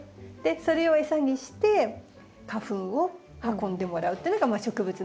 それを餌にして花粉を運んでもらうっていうのが植物の花の戦略なんです。